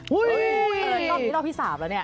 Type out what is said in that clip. เออรอบนี้รอบที่สามแล้วเนี่ย